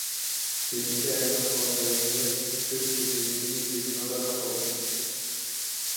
Биринчи айлампадагыдай эле сөз кезегин Бекназаров алды.